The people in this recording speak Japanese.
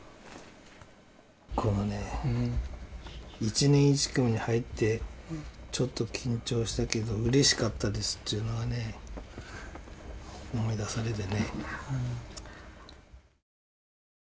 １年１組に入ってちょっと緊張したけどうれしかったですというのはね思い出されてね。